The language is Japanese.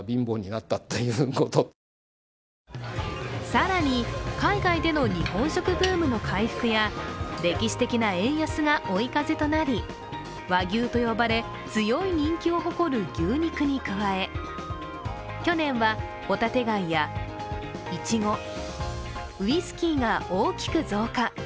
更に海外での日本食ブームの回復や歴史的な円安が追い風となり、ＷＡＧＹＵと呼ばれ、強い人気を誇る牛肉に加え去年はホタテ貝やいちご、ウイスキーが大きく増加。